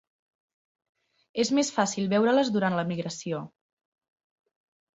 És més fàcil veure-les durant la migració.